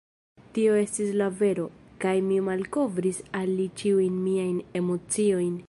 Tio estis la vero, kaj mi malkovris al li ĉiujn miajn emociojn.